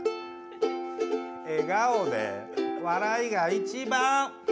笑顔で笑いが一番。